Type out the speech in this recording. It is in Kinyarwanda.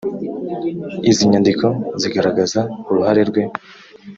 izi nyandiko zigaragaza uruhare rwe